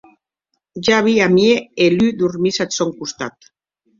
Javi amie e Lu dormís ath sòn costat.